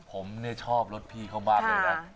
ผมเนี่ยชอบรถพี่เขามากเลยนะ